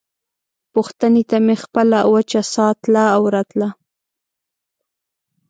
پوښتنې ته مې خپله وچه ساه تله او راتله.